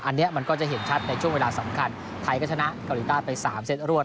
อันนี้มันก็จะเห็นชัดในช่วงเวลาสำคัญไทยก็ชนะเกาหลีใต้ไป๓เซตรวด